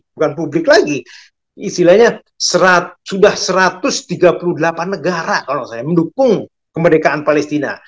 bukan publik lagi istilahnya sudah satu ratus tiga puluh delapan negara kalau saya mendukung kemerdekaan palestina